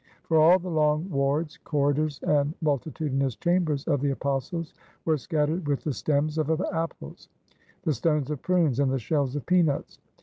For all the long wards, corridors, and multitudinous chambers of the Apostles' were scattered with the stems of apples, the stones of prunes, and the shells of peanuts.